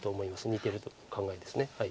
似てる考えです。